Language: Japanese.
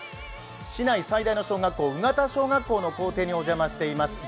市内最大の小学校、鵜方小学校の校庭にお邪魔しています。